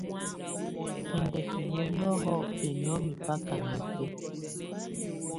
Ɛndɛkɛnɔnɔhɔ ɛnɔmɛ baka mɛbɛ.